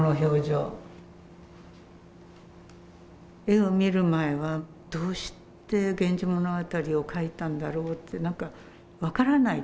絵を見る前はどうして「源氏物語」を描いたんだろうって何か分からない